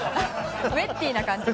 ウェッティーな感じで？